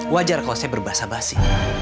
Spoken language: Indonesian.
wajar kalau saya berbahasa basi